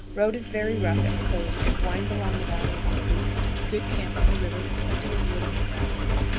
Road is very rough and hilly, and winds along the valley of the creek. Good camp on the river, with plenty of wood and grass.